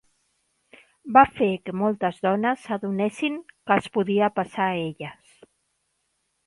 Va fer que moltes dones s'adonessin que els podia passar a elles.